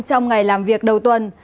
trong ngày làm việc đầu tuần